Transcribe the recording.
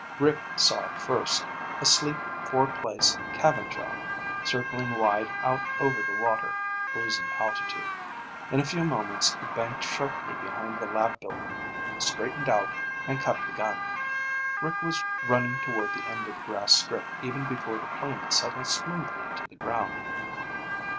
Rick saw it first, a sleek, four place cabin job, circling wide out over the water, losing altitude. In a few moments it banked sharply behind the lab building, straightened out, and cut the gun. Rick was running toward the end of the grass strip even before the plane settled smoothly to the ground.